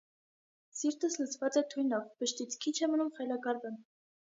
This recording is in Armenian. Սիրտս լցված է թույնով, վշտից քիչ է մնում խելագարվեմ.